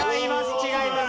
違います。